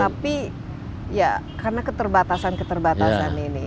tapi ya karena keterbatasan keterbatasan ini